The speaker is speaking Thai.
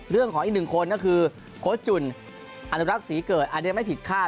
เรื่องของอีกหนึ่งคนก็คือโค้ชจุ่นอนุรักษ์ศรีเกิดอันนี้ไม่ผิดคาด